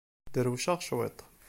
Drewceɣ cwiṭ.